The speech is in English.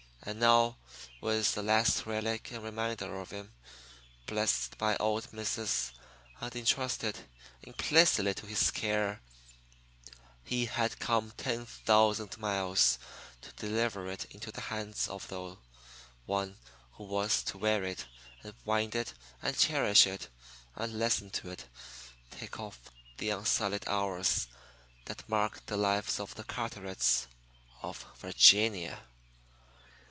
And now, with the last relic and reminder of him, blessed by "old missus," and intrusted implicitly to his care, he had come ten thousand miles (as it seemed) to deliver it into the hands of the one who was to wear it and wind it and cherish it and listen to it tick off the unsullied hours that marked the lives of the Carterets of Virginia.